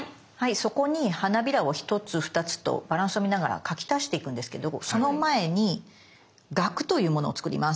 そこに花びらを１つ２つとバランスを見ながら描き足していくんですけどその前にがくというものを作ります。